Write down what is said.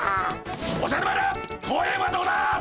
おじゃる丸公園はどこだ！